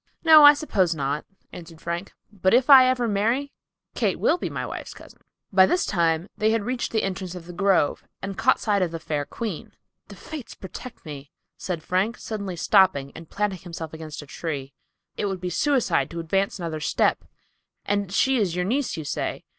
"No, I suppose not," answered Frank. "But if I ever marry, Kate will be my wife's cousin." By this time they had reached the entrance of the grove and caught sight of the fair queen. "The fates protect me!" said Frank, suddenly stopping and planting himself against a tree. "It would be suicide to advance another step. And she is your niece, you say.